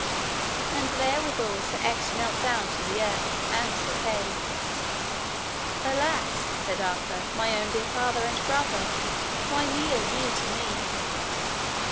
And therewithal Sir Ector knelt down to the earth, and Sir Kay. Alas, said Arthur, my own dear father and brother, why kneel ye to me?